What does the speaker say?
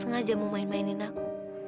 mau main mainin aku